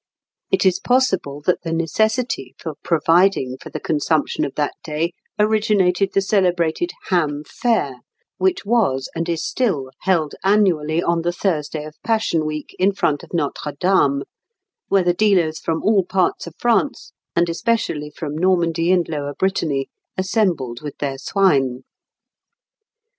It is possible that the necessity for providing for the consumption of that day originated the celebrated ham fair, which was and is still held annually on the Thursday of Passion Week in front of Notre Dame, where the dealers from all parts of France, and especially from Normandy and Lower Brittany, assembled with their swine.